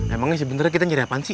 emangnya sebenarnya kita nyari apaan sih